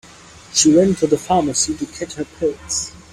She went to the pharmacy to get her pills.